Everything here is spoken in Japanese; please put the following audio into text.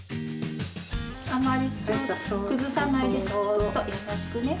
あまり土を崩さないでそっと優しくね。